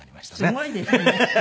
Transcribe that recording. すごいですね。